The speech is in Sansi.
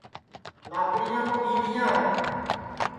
لاکڑیاں تو گیلیاں ہے